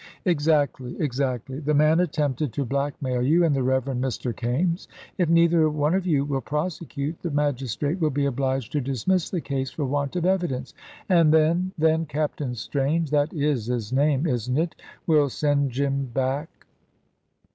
"Exactly exactly. The man attempted to blackmail you and the Reverend Mr. Kaimes. If neither one of you will prosecute, the magistrate will be obliged to dismiss the case for want of evidence. And then " "Then Captain Strange that is his name, isn't it? will send Jim back."